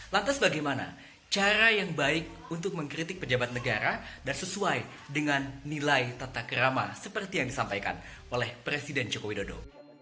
lantas bagaimana cara yang baik untuk mengkritik pejabat negara dan sesuai dengan nilai tata kerama seperti yang disampaikan oleh presiden joko widodo